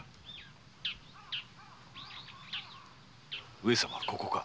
上様はここか？